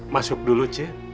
masuk dulu ce